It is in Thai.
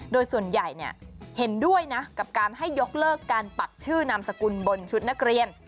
โดยส่วนใหญ่เห็นด้วยนะกับการให้ยกเลิกการปักชื่อนามสกุลบนชุดนักเรียน